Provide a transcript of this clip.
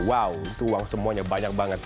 wow itu uang semuanya banyak banget